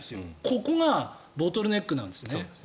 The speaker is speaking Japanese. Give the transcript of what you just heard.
ここがボトルネックなんですね。